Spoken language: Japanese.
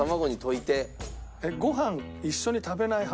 ご飯一緒に食べない派？